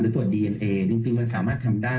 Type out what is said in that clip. ตรวจดีเอ็นเอจริงมันสามารถทำได้